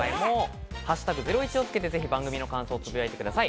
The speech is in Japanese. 「＃ゼロイチ」をつけて番組の感想をツイートしてください。